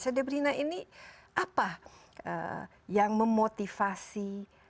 sehingga debrina ini apa yang memotivasi